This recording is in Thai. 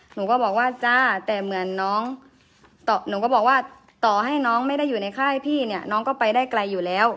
หนูก็บอกว่าจ้าแต่เหมือนน้องหนูก็บอกว่าต่อให้น้องไม่ได้อยู่ในค่ายพี่เนี่ยน้องก็ไปได้ไกลอยู่แล้ว